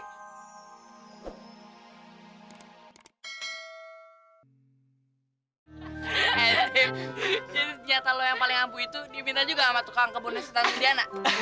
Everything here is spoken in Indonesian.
edip jadi senjata lu yang paling abu itu diminta juga sama tukang kebun nesetan sudiana